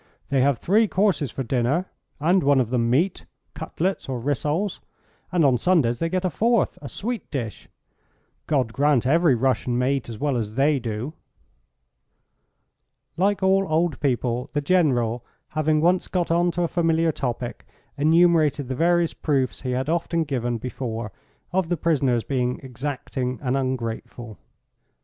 "They have three courses for dinner and one of them meat cutlets, or rissoles; and on Sundays they get a fourth a sweet dish. God grant every Russian may eat as well as they do." Like all old people, the General, having once got on to a familiar topic, enumerated the various proofs he had often given before of the prisoners being exacting and ungrateful.